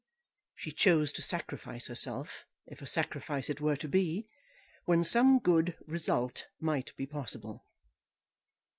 She chose to sacrifice herself, if a sacrifice it were to be, when some good result might be possible.